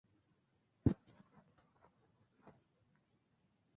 তার প্রতি ভালোবাসা তাকে আবার উষ্ণ ও আনন্দিত করে তোলে।